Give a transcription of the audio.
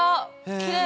きれい。